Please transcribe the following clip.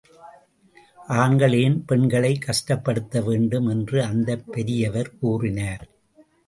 ஆண்கள் ஏன் பெண்களைக் கஷ்டப்படுத்த வேண்டும் என்று அந்தப் பெரியவர் கூறினார்.